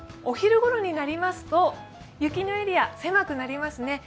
お昼ごろになりますと、雪のエリア、狭くなりますね。